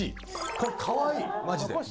これ、かわいいマジで。